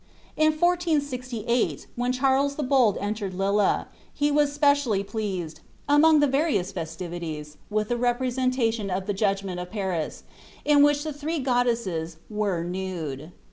In 1468, when Charles the Bold entered Lille, he was specially pleased, among the various festivities, with a representation of the Judgment of Paris, in which the three goddesses were nude.